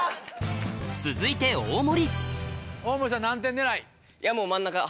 続いて大森さん。